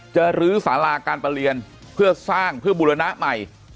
ลื้อสาราการประเรียนเพื่อสร้างเพื่อบุรณะใหม่